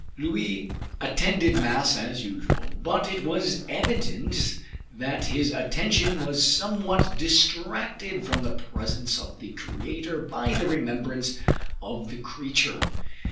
Louis attended mass as usual, but it was evident that his attention was somewhat distracted from the presence of the Creator by the remembrance of the creature.